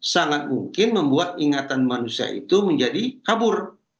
sangat mungkin membuat ingatan manusia itu menjadi kabur